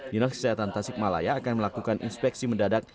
dinas kesehatan tasik malaya akan melakukan inspeksi mendadak